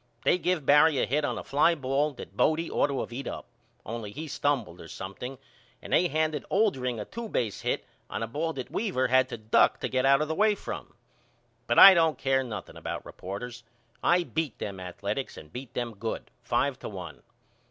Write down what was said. They give Barry a hit on a fly ball that Bodie ought to of eat up, only he stumbled or something and they handed Oldring a two base hit on a ball that Weaver had to duck to get out of the way from. But I don't care nothing about reporters. I beat them Athaletics and beat them good, five to one.